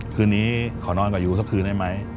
คืนนี้ขอนอนกับยูสักคืนได้ไหม